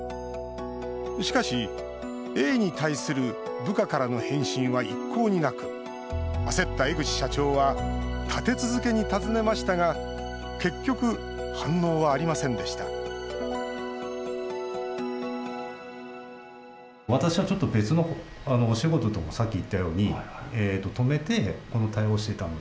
しかし、Ａに対する部下からの返信は一向になく焦った江口社長は立て続けに尋ねましたが結局、反応はありませんでしたなぜ、部下は社長に返信しなかったのか。